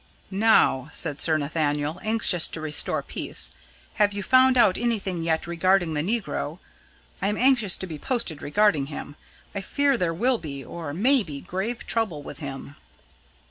"Now," said Sir Nathaniel, anxious to restore peace, "have you found out anything yet regarding the negro? I am anxious to be posted regarding him. I fear there will be, or may be, grave trouble with him."